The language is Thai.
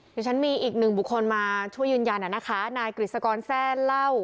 เดี๋ยวฉันมีอีกหนึ่งบุคคลมาช่วยยืนยันนะคะนายกฤษกรแซ่เล่า